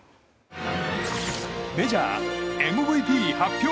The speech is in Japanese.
メジャー、ＭＶＰ発表！